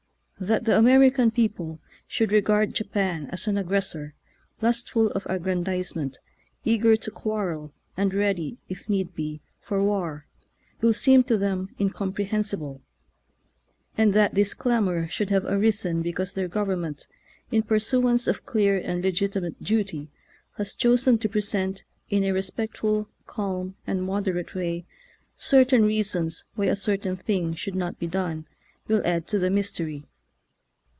That the American people should regard Japan as 898 HARPER'S NEW MONTHLY MAGAZINE. an aggressor, lustful of aggrandizement, eager to quarrel, and ready, if need be, for war, will seem to them incomprehensible. And that this clamor should have arisen because their government, in pursuance of clear and legitimate duty, has chosen to present, in a respectful, calm, and mod erate way, certain reasons why a certain thing should not be done, will add to the mystery.